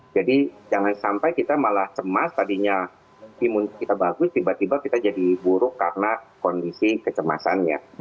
jangan sampai kita malah cemas tadinya imun kita bagus tiba tiba kita jadi buruk karena kondisi kecemasannya